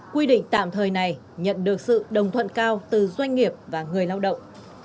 quy định tạm thời này nhận được sự đồng thuận cao từ doanh nghiệp và người lao động